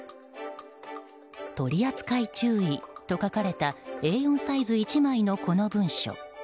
「取扱注意」と書かれたＡ４サイズ１枚のこの文書。